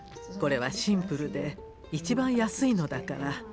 これはシンプルでいちばん安いのだから。